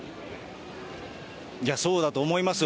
そうだと思いますよ。